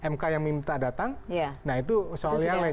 mk yang minta datang nah itu soal yang lain